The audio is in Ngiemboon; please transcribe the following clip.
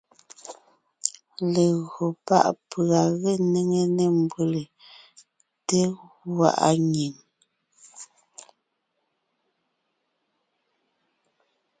Legÿo pá’ pʉ̀a ge néŋe nê mbʉ́lè, té gwaʼa nyìŋ,